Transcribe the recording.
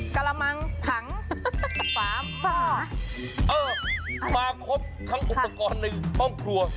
กะละมังถังฟ้าฟ้าเออฟ้าครบทั้งอุปกรณ์ในห้องครัว